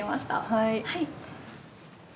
はい。